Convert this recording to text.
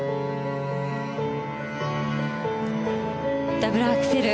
ダブルアクセル。